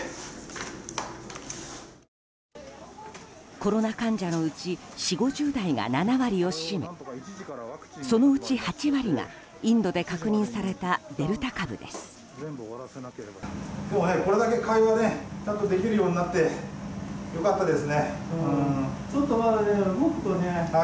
コロナ患者のうち４０５０代が７割を占めそのうち８割がインドで確認されたデルタ株です。